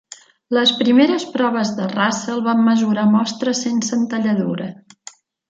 Les primeres proves de Russell van mesurar mostres sense entalladura.